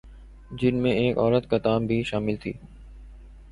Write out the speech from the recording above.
"جن میں ایک عورت "قطام" بھی شامل تھی"